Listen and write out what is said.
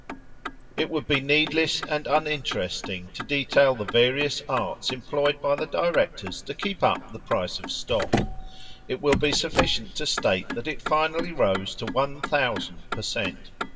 It would be needless and uninteresting to detail the various arts employed by the directors to keep up the price of stock. It will be sufficient to state that it finally rose to one thousand per cent.